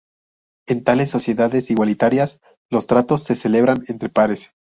En tales sociedades igualitarias los tratos se celebran entre pares.